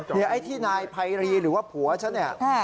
ไอ้ที่นายไพรีหรือว่าผัวฉันเนี่ย